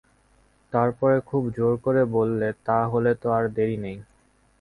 তার পরে খুব জোর করে বললে, তা হলে তো আর দেরি নেই।